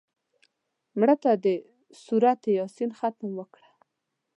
مړه ته د سورت یاسین ختم وکړه